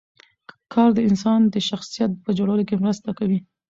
کار د انسان د شخصیت په جوړولو کې مرسته کوي